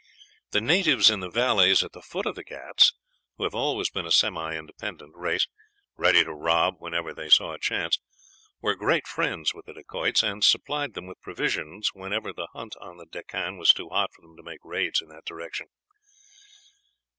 The natives in the valleys at the foot of the Ghauts, who have always been a semi independent race, ready to rob whenever they saw a chance, were great friends with the Dacoits and supplied them with provisions whenever the hunt on the Deccan was too hot to make raids in that direction.